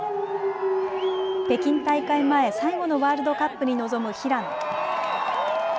北京大会前、最後のワールドカップに臨む平野。